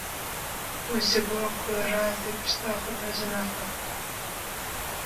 ....’’ û ji bo ku razê pişta xwe da jina xwe.